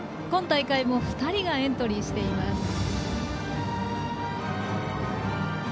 今大会も２人がエントリーしています。